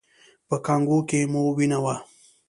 په کانګو کې مو وینه وه؟